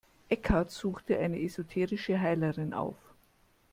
Eckhart suchte eine esoterische Heilerin auf.